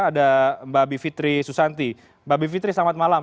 ada mbak bivitri susanti mbak bivitri selamat malam